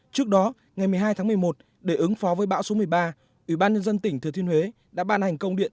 trước đó ngày một mươi hai tháng một mươi một để ứng phó với bão số một mươi ba ủy ban nhân dân tỉnh thừa thiên huế đã ban hành công điện